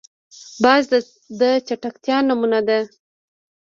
باز د چټکتیا نمونه ده